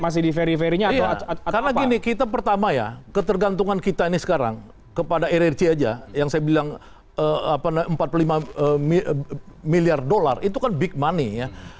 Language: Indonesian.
karena gini kita pertama ya ketergantungan kita ini sekarang kepada rrc aja yang saya bilang empat puluh lima m dolar itu kan big money ya